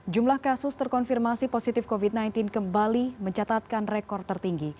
jumlah kasus terkonfirmasi positif covid sembilan belas kembali mencatatkan rekor tertinggi